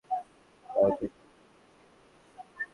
আমি পেছনটা গিয়ে চেক করে আসি।